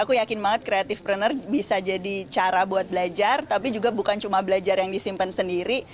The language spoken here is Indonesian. aku yakin banget creative pruner bisa jadi cara buat belajar tapi juga bukan cuma belajar yang disimpan sendiri